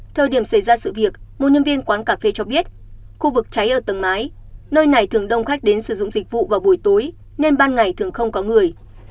thời điểm xảy ra sự việc một nhân viên quán cà phê cho biết khu vực cháy ở tầng mái nơi này thường đông khách đến sử dụng dịch vụ vào buổi tối nên ban ngày thường không có người